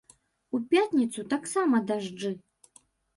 У пятніцу таксама дажджы.